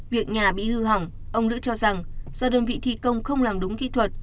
việc nhà bị hư hỏng ông lữ cho rằng do đơn vị thi công không làm đúng kỹ thuật